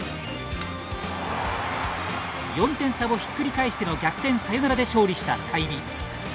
４点差をひっくり返しての逆転サヨナラで勝利した済美。